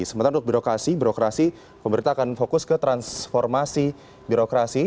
sementara untuk birokrasi birokrasi pemerintah akan fokus ke transformasi birokrasi